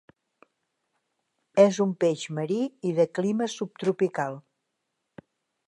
És un peix marí i de clima subtropical.